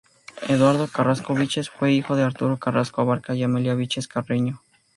Eduardo Carrasco Vilches fue hijo de Arturo Carrasco Abarca y Amelia Vilches Carreño.